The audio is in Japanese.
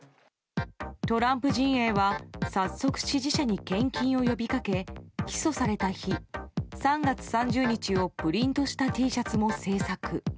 トランプ陣営は早速、支持者に献金を呼びかけ起訴された日「３月３０日」をプリントしたＴシャツも制作。